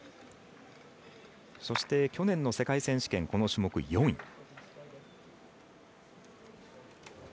そして、去年の世界選手権この種目４位。